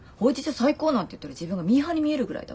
最高なんて言ってる自分がミーハーに見えるぐらいだわ。